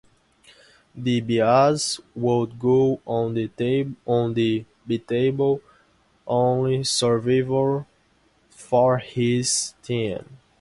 DiBiase would go on to be the only survivor for his team.